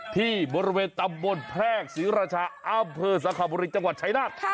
ที่บริเวณตำบลแพรกศิรชาอาบเผอร์สัครบุรีจังหวัดชัยนาศ